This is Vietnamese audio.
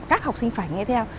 các học sinh phải nghe theo